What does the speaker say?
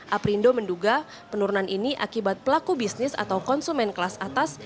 aprindo menduga penurunan ini akibat pelaku bisnis atau konsumen kelas atas